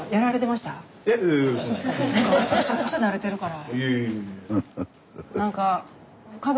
むちゃくちゃ慣れてるから。